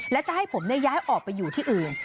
และจะให้ผมย้ายออกไปอยู่ที่อื่น